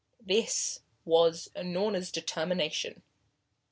This was Unorna's determination.